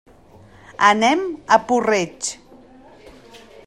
Anem a Puig-reig.